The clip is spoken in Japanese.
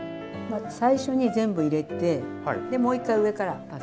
最初に全部入れてでもう１回上から足せば。